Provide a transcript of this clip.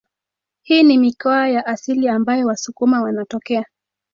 Hii ni mikoa ya asili ambayo wasukuma wanatokea